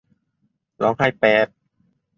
ร้องไห้แปบ